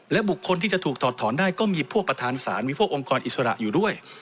และบุคคลที่จะถูกถอดถอนได้ก็มีพวกประธานศาลมีพวกองค์กรอิสระอยู่ด้วย